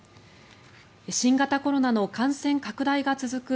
新型コロナの感染拡大が続く